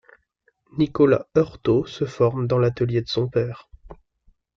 Nicolas Heurtaut se forme dans l’atelier de son père.